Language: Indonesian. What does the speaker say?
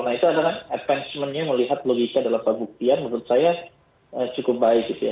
nah itu adalah advancementnya melihat logika dalam pembuktian menurut saya cukup baik gitu ya